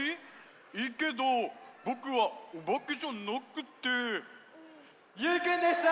いいけどぼくはおばけじゃなくってゆうくんでした！